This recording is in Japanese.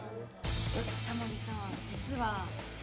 タモリさん、実は。